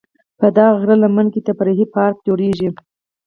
په دغه غره لمن کې تفریحي پارک جوړ شوی.